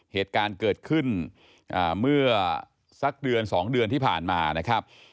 เหตุการณ์เกิดขึ้นเมื่อสักเดือน๒เดือนที่ผ่านมานะครับ